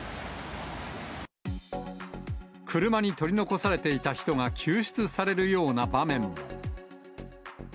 車に取り残されていた人が救出されるような場面も。